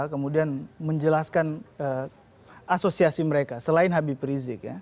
kemudian menjelaskan asosiasi mereka selain habib rizik ya